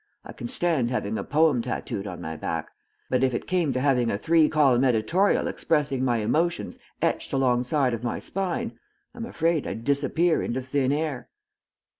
I can stand having a poem tattooed on my back, but if it came to having a three column editorial expressing my emotions etched alongside of my spine, I'm afraid I'd disappear into thin air."